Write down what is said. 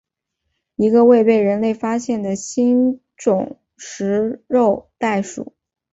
一个未被人类发现的新种食肉袋鼠。